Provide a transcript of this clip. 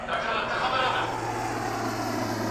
د اسلام دین د ژوند په هره برخي کي دی.